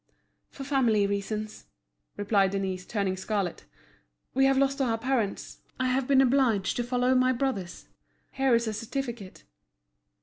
"For family reasons," replied Denise, turning scarlet. "We have lost our parents, I have been obliged to follow my brothers. Here is a certificate."